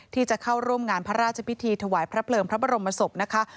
ที่จะเข้าร่วมงานพระราชพิธีถวายพระเพลิงพระบรมศพนะคะ